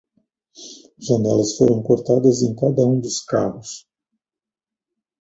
Janelas foram cortadas em cada um dos carros.